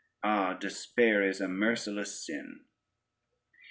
Ah, despair is a merciless sin!"